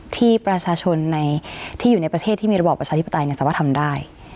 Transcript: ที่ประชาชนที่อยู่ในประเทศที่มีระบอบประชาธิปไตยสามารถทำได้